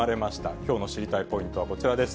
きょうの知りたいポイントはこちらです。